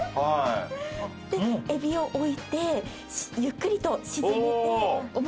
でエビを置いてゆっくりと沈めて表に。